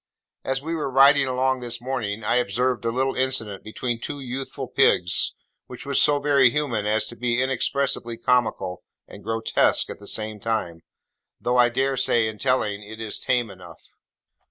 As we were riding along this morning, I observed a little incident between two youthful pigs, which was so very human as to be inexpressibly comical and grotesque at the time, though I dare say, in telling, it is tame enough.